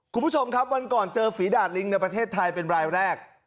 คุณผู้ชมครับวันก่อนเจอฝีดาดลิงในประเทศไทยเป็นรายแรก